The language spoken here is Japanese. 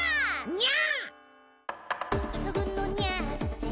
にゃ！